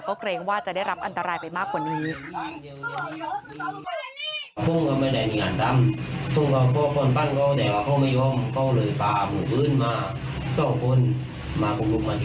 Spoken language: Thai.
ก็เกรงว่าจะได้รับอันตรายไปมากกว่านี้